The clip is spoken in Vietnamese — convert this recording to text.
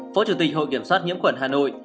phó chủ tịch hội kiểm soát nhiễm khuẩn hà nội